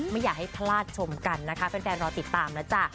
ไม่อยากให้พลาดชมกันนะคะแฟนรอติดตามนะจ๊ะ